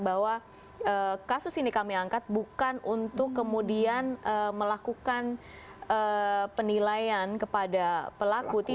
bahwa kasus ini kami angkat bukan untuk kemudian melakukan penilaian kepada pelaku